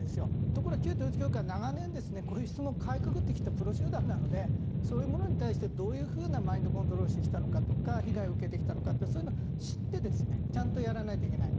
ところが旧統一教会は長年、こうした質問をかいくぐってきたプロ集団なのでそういうものに対してどういうふうなマインドコントロールをしてきたのかとか被害を受けてきたのかっていうことを知ってちゃんとやらなければいけない。